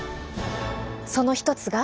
その一つが。